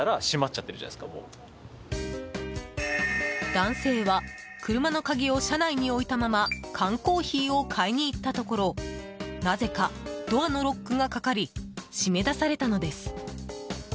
男性は、車の鍵を車内に置いたまま缶コーヒーを買いに行ったところなぜかドアのロックがかかり閉め出されたのです。